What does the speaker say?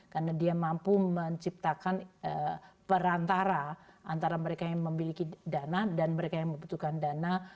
karena dia mampu menciptakan perantara antara mereka yang memiliki dana dan mereka yang membutuhkan dana